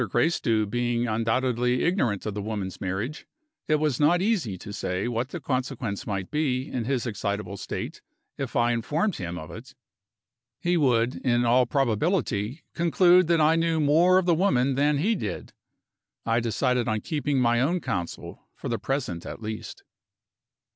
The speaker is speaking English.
Gracedieu being undoubtedly ignorant of the woman's marriage, it was not easy to say what the consequence might be, in his excitable state, if I informed him of it. He would, in all probability, conclude that I knew more of the woman than he did. I decided on keeping my own counsel, for the present at least.